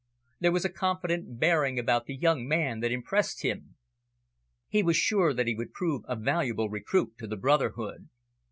There was a confident bearing about the young man that impressed him. He was sure that he would prove a valuable recruit to the brotherhood.